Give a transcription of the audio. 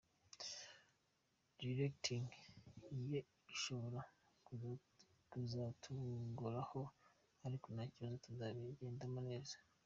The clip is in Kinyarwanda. Directing ye ishobora kuzatugoraho ariko nta kibazo tuzabigendamo neza.